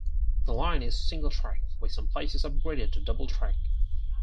The line is single track with some places upgraded to double track.